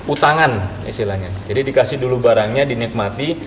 utangan istilahnya jadi dikasih dulu barangnya dinikmati